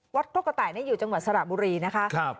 วัดโค้กกระต่ายนี่อยู่จังหวัดสระบุรีนะคะครับ